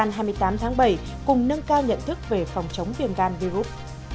phòng chống viên gan hai mươi tám tháng bảy cùng nâng cao nhận thức về phòng chống viên gan virus